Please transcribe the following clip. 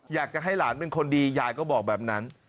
อยากจะให้หลานเป็นคนดียายก็บอกแบบนั้น